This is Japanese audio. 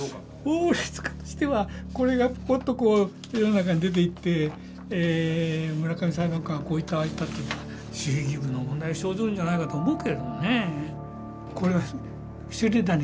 法律家としてはこれがポッと世の中に出ていって村上裁判官がこう言ったああ言ったというのは守秘義務の問題が生ずるんじゃないかと思うけれどもね。